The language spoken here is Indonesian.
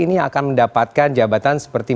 ini akan mendapatkan jabatan seperti